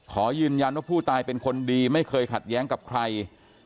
ขอยืนยันว่าผู้ตายเป็นคนดีไม่เคยขัดแย้งกับใคร